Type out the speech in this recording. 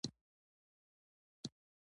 آيا ته خپل کور ته ځي